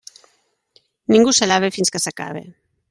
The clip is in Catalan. Ningú s'alabe fins que s'acabe.